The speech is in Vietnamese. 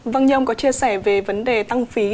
vâng như ông có chia sẻ về vấn đề tăng phí